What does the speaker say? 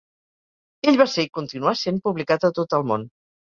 Ell va ser i continua sent publicat a tot el món.